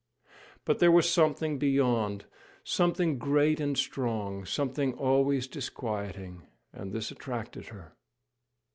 But there was something beyond; something great and strong, something always disquieting; and this attracted her.